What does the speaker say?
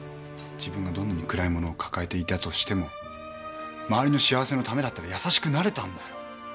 自分がどんなに暗いものを抱えていたとしても周りの幸せのためだったら優しくなれたんだよ。